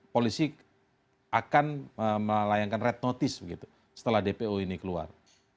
polisi akan melayangkan red notice begitu setelah dpo ini keluar